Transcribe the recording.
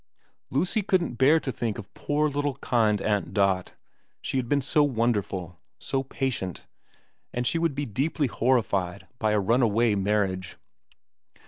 ... Lucy couldn't bear to think of poor little kind Aunt Dot. She had been so wonderful, so patient, and she would be deeply horrified by a runaway marriage.